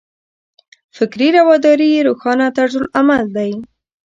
فکري رواداري یې روښانه طرز عمل دی.